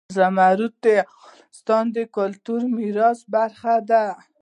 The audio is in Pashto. زمرد د افغانستان د کلتوري میراث برخه ده.